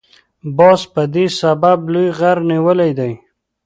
باز په دې سبب لوی غر نیولی دی.